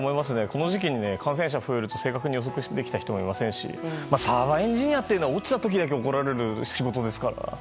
この時期に感染者が増えると正確に予測できた人はいませんしサーバーエンジニアは落ちた時だけ怒られる仕事ですからね。